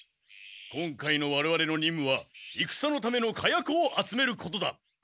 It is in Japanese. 今回のわれわれのにんむはいくさのための火薬を集めることだ！